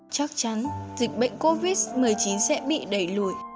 chắc chắn dịch bệnh covid một mươi chín sẽ bị đẩy lùi